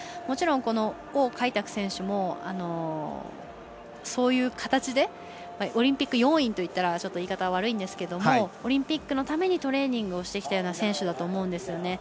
もちろん、王海卓選手もそういう形でオリンピック要員といったら言い方悪いんですがオリンピックのためにトレーニングをしてきた選手だと思うんです。